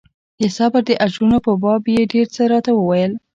د صبر د اجرونو په باب يې ډېر څه راته وويل.